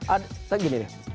ada kayak gini deh